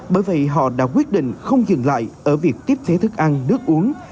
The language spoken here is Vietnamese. bởi vậy họ đã quyết định không dừng lại ở việc tiếp thế thức ăn nước uống